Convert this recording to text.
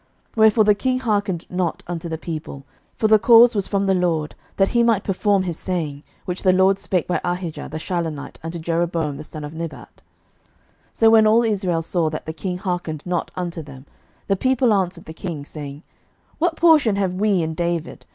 11:012:015 Wherefore the king hearkened not unto the people; for the cause was from the LORD, that he might perform his saying, which the LORD spake by Ahijah the Shilonite unto Jeroboam the son of Nebat. 11:012:016 So when all Israel saw that the king hearkened not unto them, the people answered the king, saying, What portion have we in David?